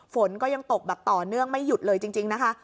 ฝนก็ยังตกแบบต่อเนื่องไม่หยุดเลยจริงนะคะ